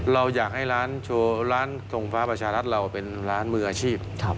เราอยากให้ร้านโชว์ร้านทรงฟ้าประชารัฐเราเป็นร้านมืออาชีพ